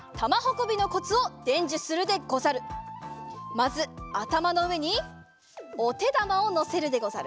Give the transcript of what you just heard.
まずあたまのうえにおてだまをのせるでござる。